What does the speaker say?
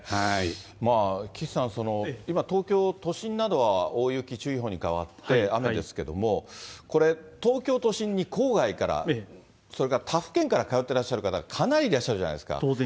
まあ、岸さん、今、東京都心などは大雪注意報に変わって、雨ですけれども、東京都心に郊外から、それから他府県から通ってらっしゃる方が、かなりいらっしゃるじゃないですか。